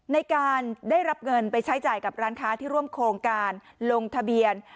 ในการได้รับเงินไปใช้จ่ายกับร้านค้าที่ร่วมโครงการลงทะเบียน